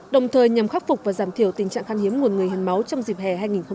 đồng thời nhằm khắc phục và giảm thiểu tình trạng khăn hiếm nguồn người hiến máu trong dịp hè hai nghìn hai mươi